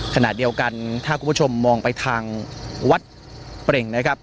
ขณะเดียวกันถ้าคุณผู้ชมมองไปทางวัดเปร่งนะครับ